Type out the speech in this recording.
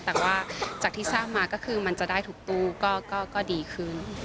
แต่ว่าจากที่ทราบมาก็คือมันจะได้ทุกตู้ก็ดีขึ้น